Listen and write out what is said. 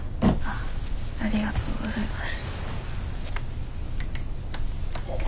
ありがとうございます。